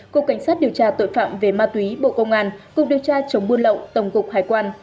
cục cảnh sát điều tra tội phạm về ma túy bộ công an cục điều tra chống buôn lậu tổng cục hải quan